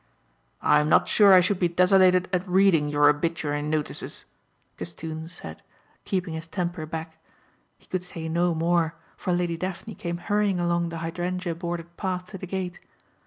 "I'm not sure I should be desolated at reading your obituary notices," Castoon said keeping his temper back. He could say no more for Lady Daphne came hurrying along the hydrangea bordered path to the gate.